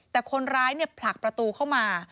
แต่คนร้ายผลักประตูเข้ามา